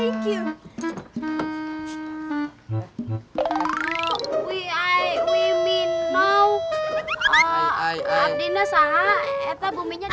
abdi na sahat eta buminya di